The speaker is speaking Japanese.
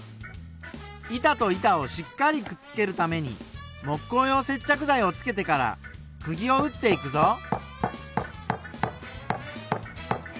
板と板をしっかりくっつけるために木工用接着剤をつけてからくぎを打っていくぞ。